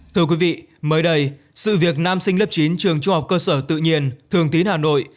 thưa quý vị mới đây sự việc nam sinh lớp chín trường trung học cơ sở tự nhiên thường tín hà nội